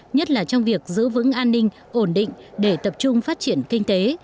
nhất là trong việc giữ vững an ninh ổn định để tập trung phát triển kinh tế